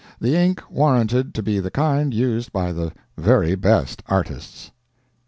The ink warranted to be the kind used by the very best artists.